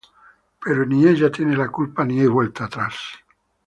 Pero ni ella tiene la culpa ni hay vuelta atrás.